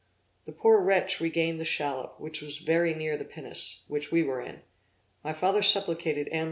The poor wretch regained the shallop, which was very near the pinnace, which we were in, my father supplicated M.